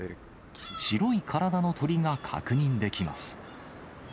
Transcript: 白い体の鳥が確認できます。